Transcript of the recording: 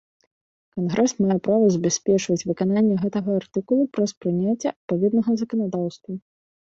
Кангрэс мае права забяспечваць выкананне гэтага артыкулу праз прыняцце адпаведнага заканадаўства.